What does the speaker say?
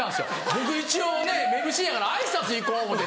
僕一応ねＭＣやから挨拶行こう思うて。